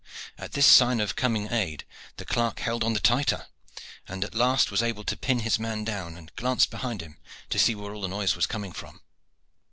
At this sign of coming aid the clerk held on the tighter, and at last was able to pin his man down and glanced behind him to see where all the noise was coming from.